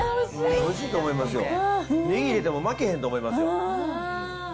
おいしいと思いますよ、ネギ入れても負けへんと思いますよ。